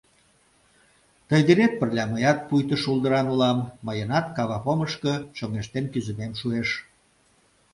Тый денет пырля мыят пуйто шулдыран улам, мыйынат кававомышко чоҥештен кӱзымем шуэш.